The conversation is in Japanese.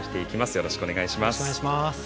よろしくお願いします。